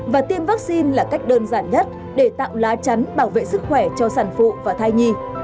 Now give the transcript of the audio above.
và tiêm vaccine là cách đơn giản nhất để tạo lá chắn bảo vệ sức khỏe cho sản phụ và thai nhi